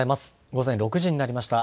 午前６時になりました。